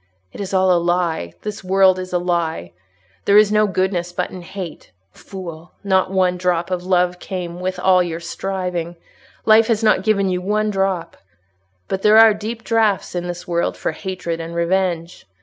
It is all a lie—this world is a lie—there is no goodness but in hate. Fool! not one drop of love came with all your striving: life has not given you one drop. But there are deep draughts in this world for hatred and revenge.